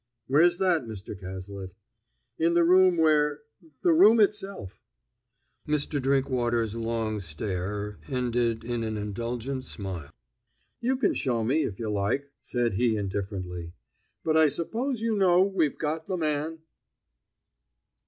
"Where's that, Mr. Cazalet?" "In the room where the room itself." Mr. Drinkwater's long stare ended in an indulgent smile. "You can show me if you like," said he indifferently. "But I suppose you know we've got the man?"